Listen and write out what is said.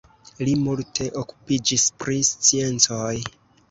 Li multe okupiĝis pri sciencoj.